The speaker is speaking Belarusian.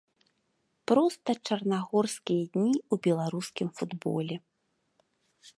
Проста чарнагорскія дні ў беларускім футболе.